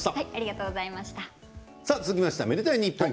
続きまして「愛でたいｎｉｐｐｏｎ」